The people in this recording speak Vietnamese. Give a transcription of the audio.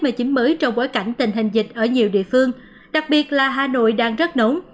mới trong bối cảnh tình hình dịch ở nhiều địa phương đặc biệt là hà nội đang rất nóng